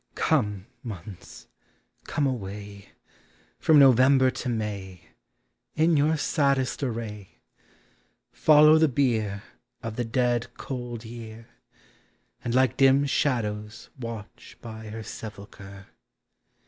Come, months, come away, From November to May, In your saddest array ; Follow the bier Of the dead cold year, •And like dim shadows watch by her sepulchre.